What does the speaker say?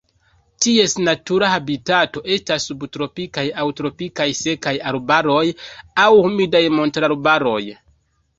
Ties natura habitato estas subtropikaj aŭ tropikaj sekaj arbaroj aŭ humidaj montararbaroj.